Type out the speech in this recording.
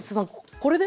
これで。